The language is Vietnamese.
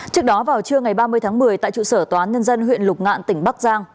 trước đó vào trưa ngày ba mươi tháng một mươi tại trụ sở tòa án nhân dân huyện lục ngạn tỉnh bắc giang